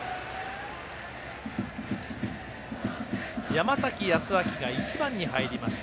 山崎康晃が１番に入りました。